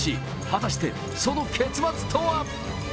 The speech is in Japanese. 果たして、その結末とは？